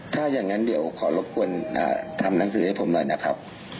ถ้าอย่างนั้นเดี๋ยวขอรบกวนทำหนังสือให้ผมหน่อยนะครับ